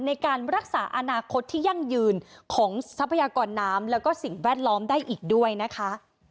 ในการรักษาอนาคตที่ยั่งยืนของทรัพยากรน้ำแล้วก็สิ่งแวดล้อมได้อีกด้วยนะคะ